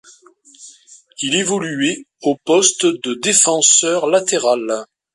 Il évoluait au poste de défenseur latéral.